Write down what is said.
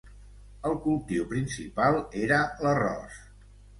El cultiu principal era l'arròs.